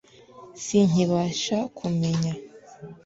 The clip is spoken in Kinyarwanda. sinkibasha kumenya.